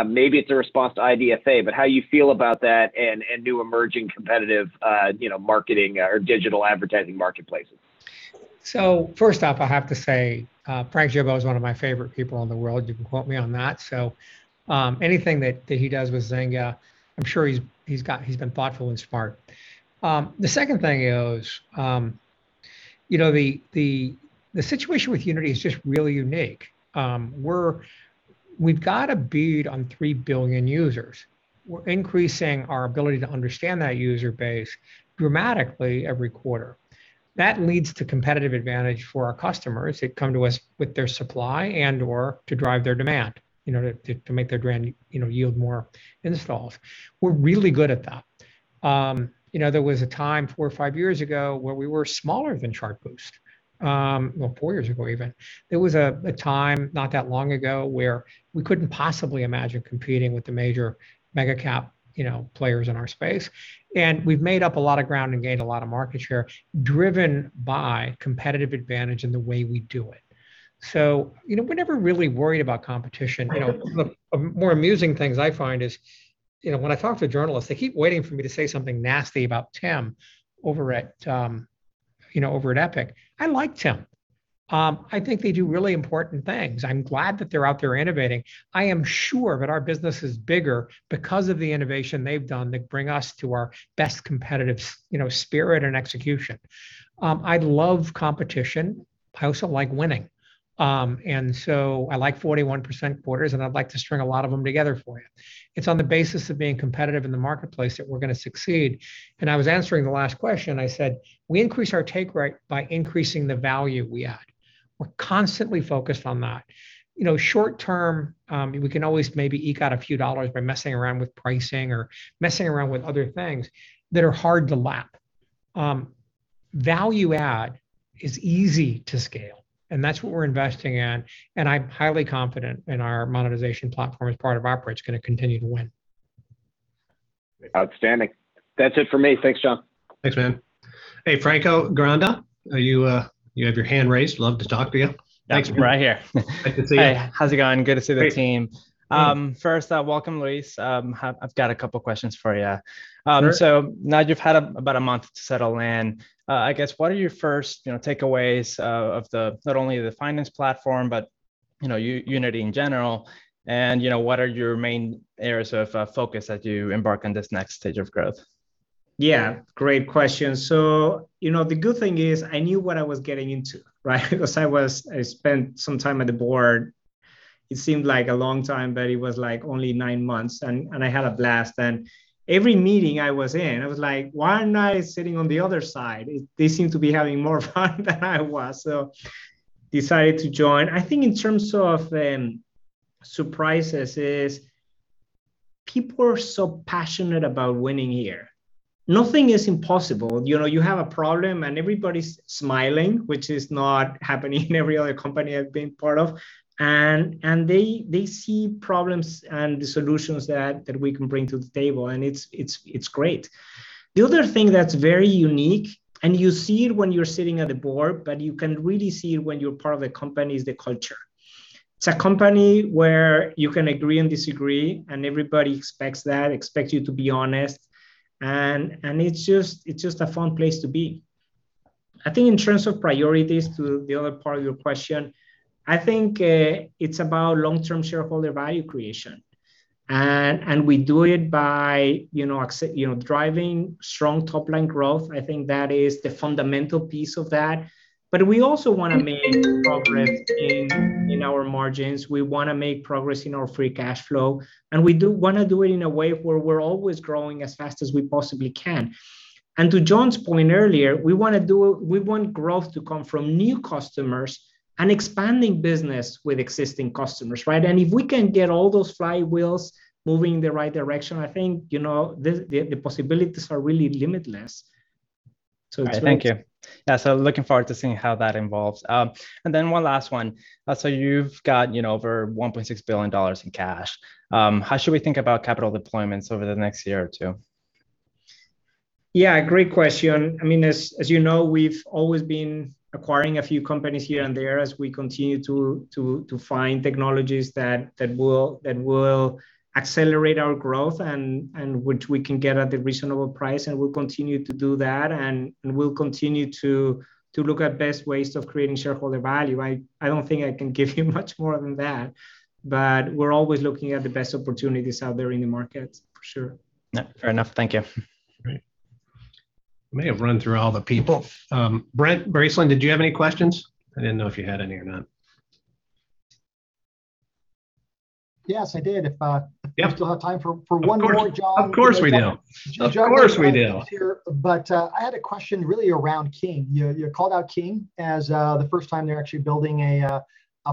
maybe it's a response to IDFA, but how you feel about that and new emerging competitive marketing or digital advertising marketplaces. First off, I have to say, Frank Gibeau is one of my favorite people in the world. You can quote me on that. Anything that he does with Zynga, I'm sure he's been thoughtful and smart. The second thing is, the situation with Unity is just really unique. We've got a bead on 3,000,000,000 users. We're increasing our ability to understand that user base dramatically every quarter. That leads to competitive advantage for our customers that come to us with their supply and/or to drive their demand, to make their grand yield more installs. We're really good at that. There was a time four or five years ago where we were smaller than Chartboost. Well, four years ago, even. There was a time not that long ago where we couldn't possibly imagine competing with the major mega cap players in our space. We've made up a lot of ground and gained a lot of market share driven by competitive advantage in the way we do it. We never really worried about competition. One of the more amusing things I find is when I talk to journalists, they keep waiting for me to say something nasty about Tim over at Epic. I like Tim. I think they do really important things. I'm glad that they're out there innovating. I am sure that our business is bigger because of the innovation they've done that bring us to our best competitive spirit and execution. I love competition. I also like winning. I like 41% quarters, and I'd like to string a lot of them together for you. It's on the basis of being competitive in the marketplace that we're going to succeed. I was answering the last question, I said, we increase our take rate by increasing the value we add. We're constantly focused on that. Short term, we can always maybe eke out a few dollars by messing around with pricing or messing around with other things that are hard to lap. Value add is easy to scale, and that's what we're investing in, and I'm highly confident in our monetization platform as part of operate's going to continue to win. Outstanding. That's it for me. Thanks, John. Thanks, man. Hey, Franco Granda, you have your hand raised. Love to talk to you. Thanks. Right here. Nice to see you. Hey, how's it going? Good to see the team. Great. First, welcome, Luis. I've got a couple questions for you. Sure. Now you've had about a month to settle in. I guess, what are your first takeaways of not only the finance platform, but Unity in general, and what are your main areas of focus as you embark on this next stage of growth? Yeah. Great question. The good thing is I knew what I was getting into, right? Because I spent some time at the board. It seemed like a long time, but it was only nine months, and I had a blast. Every meeting I was in, I was like, why am I sitting on the other side? They seem to be having more fun than I was. I decided to join. I think in terms of surprises is people are so passionate about winning here. Nothing is impossible. You have a problem and everybody's smiling, which is not happening in every other company I've been part of. They see problems and the solutions that we can bring to the table, and it's great. The other thing that's very unique, and you see it when you're sitting at the board, but you can really see it when you're part of a company, is the culture. It's a company where you can agree and disagree, and everybody expects that, expects you to be honest, and it's just a fun place to be. I think in terms of priorities to the other part of your question, I think it's about long-term shareholder value creation. We do it by driving strong top-line growth. I think that is the fundamental piece of that. We also want to make progress in our margins. We want to make progress in our free cash flow, and we want to do it in a way where we're always growing as fast as we possibly can. To John's point earlier, we want growth to come from new customers and expanding business with existing customers. Right? If we can get all those flywheels moving in the right direction, I think the possibilities are really limitless. All right. Thank you. Yeah, looking forward to seeing how that evolves. One last one. You've got over $1.6 billion in cash. How should we think about capital deployments over the next year or two? Yeah. Great question. As you know, we've always been acquiring a few companies here and there as we continue to find technologies that will accelerate our growth and which we can get at a reasonable price, and we'll continue to do that. We'll continue to look at best ways of creating shareholder value. I don't think I can give you much more than that, but we're always looking at the best opportunities out there in the market, for sure. Yeah. Fair enough. Thank you. Great. I may have run through all the people. Brent Bracelin, did you have any questions? I didn't know if you had any or not. Yes, I did. Yeah. We still have time for one more, John. Of course we do. John- Of course we do. here. I had a question really around King. You called out King as the first time they're actually building a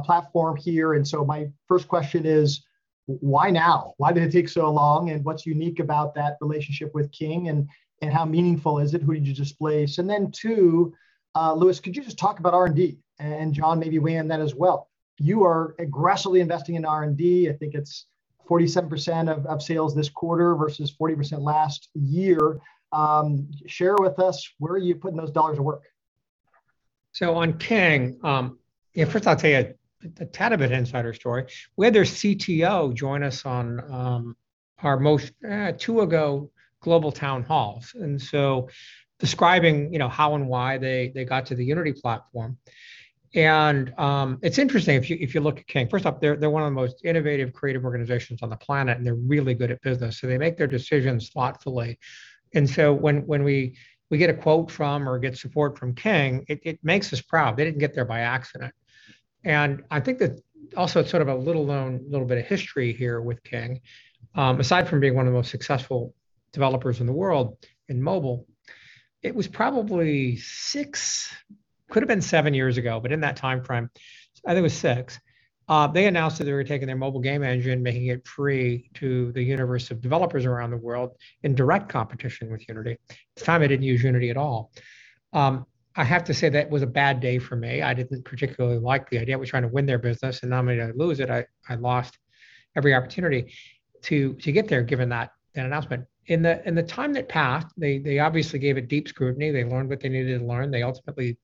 platform here. My first question is why now? Why did it take so long? What's unique about that relationship with King, and how meaningful is it? Who did you displace? Two, Luis, could you just talk about R&D, and John, maybe weigh in on that as well. You are aggressively investing in R&D. I think it's 47% of sales this quarter versus 40% last year. Share with us, where are you putting those dollars to work? On King, yeah, first I'll tell you a tad bit insider story. We had their CTO join us on our most, two ago, global town halls, describing how and why they got to the Unity platform. It's interesting, if you look at King, first off, they're one of the most innovative, creative organizations on the planet, and they're really good at business, so they make their decisions thoughtfully. When we get a quote from or get support from King, it makes us proud. They didn't get there by accident. I think that also sort of a little known little bit of history here with King. Aside from being one of the most successful developers in the world in mobile, it was probably six, could've been seven years ago, but in that time frame, I think it was six, they announced that they were taking their mobile game engine, making it free to the universe of developers around the world in direct competition with Unity. At the time, they didn't use Unity at all. I have to say that was a bad day for me. I didn't particularly like the idea. We were trying to win their business and not only did I lose it, I lost every opportunity to get there given that announcement. In the time that passed, they obviously gave it deep scrutiny. They learned what they needed to learn. They ultimately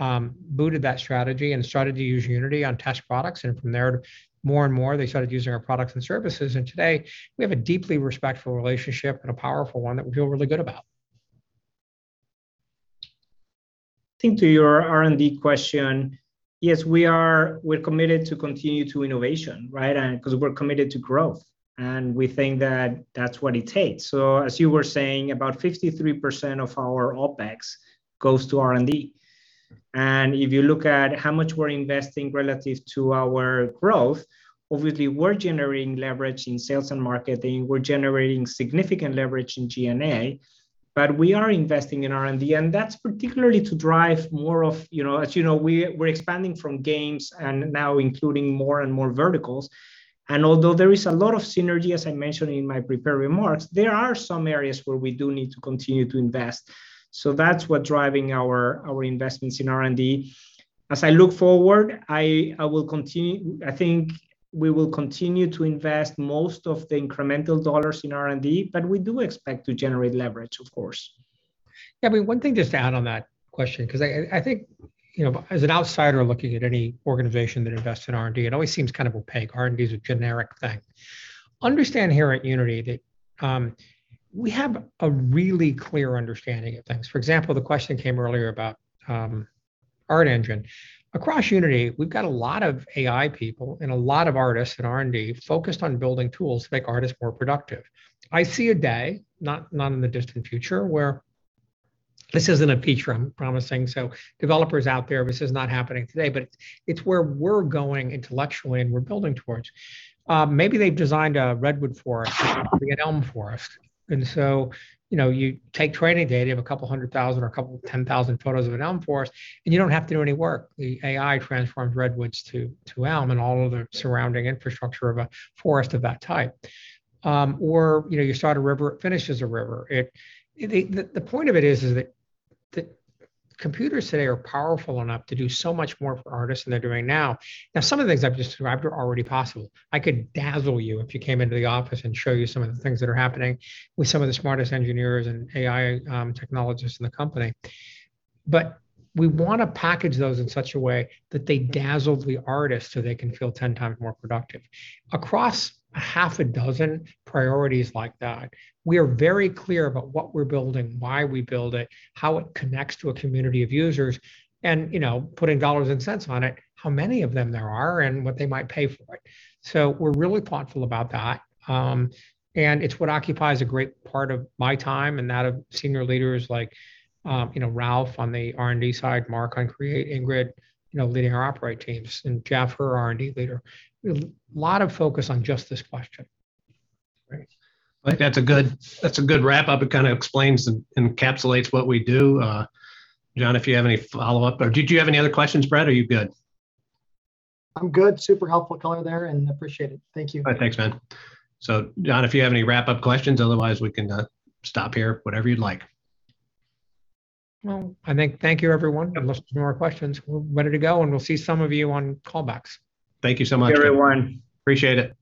booted that strategy and started to use Unity on test products, and from there, more and more they started using our products and services, and today we have a deeply respectful relationship and a powerful one that we feel really good about. I think to your R&D question, yes, we're committed to continue to innovation, right? Because we're committed to growth, and we think that that's what it takes. As you were saying, about 53% of our OpEx goes to R&D. And if you look at how much we're investing relative to our growth, obviously we're generating leverage in sales and marketing. We're generating significant leverage in G&A, but we are investing in R&D, and that's particularly to drive more of, as you know, we're expanding from games and now including more and more verticals. Although there is a lot of synergy, as I mentioned in my prepared remarks, there are some areas where we do need to continue to invest. That's what's driving our investments in R&D. As I look forward, I think we will continue to invest most of the incremental dollars in R&D, but we do expect to generate leverage, of course. I mean, one thing just to add on that question, because I think, as an outsider looking at any organization that invests in R&D, it always seems kind of opaque. R&D is a generic thing. Understand here at Unity that we have a really clear understanding of things. For example, the question came earlier about ArtEngine. Across Unity, we've got a lot of AI people and a lot of artists in R&D focused on building tools to make artists more productive. I see a day, not in the distant future, where this isn't a feature I'm promising, so developers out there, this is not happening today, but it's where we're going intellectually and we're building towards. Maybe they've designed a redwood forest to be an elm forest. You take training data of a couple 100,000 or a couple 10,000 photos of an elm forest, and you don't have to do any work. The AI transforms redwoods to elm and all of the surrounding infrastructure of a forest of that type. You start a river, it finishes a river. The point of it is that computers today are powerful enough to do so much more for artists than they're doing now. Some of the things I've just described are already possible. I could dazzle you if you came into the office and show you some of the things that are happening with some of the smartest engineers and AI technologists in the company. We want to package those in such a way that they dazzle the artist so they can feel 10 times more productive. Across a half a dozen priorities like that, we are very clear about what we're building, why we build it, how it connects to a community of users, and putting dollars and cents on it, how many of them there are, and what they might pay for it. We're really thoughtful about that, and it's what occupies a great part of my time and that of senior leaders like Ralph on the R&D side, Mark on create, Ingrid leading our operate teams, and Jeff, our R&D leader. A lot of focus on just this question. Great. I think that's a good wrap-up. It kind of explains and encapsulates what we do. John, if you have any follow-up or did you have any other questions, Brent, or are you good? I'm good. Super helpful color there, and appreciate it. Thank you. All right. Thanks, man. John, if you have any wrap-up questions, otherwise we can stop here. Whatever you'd like. Well, I think thank you everyone. Unless there's more questions, we're ready to go, and we'll see some of you on callbacks. Thank you so much. Thank you, everyone. Appreciate it.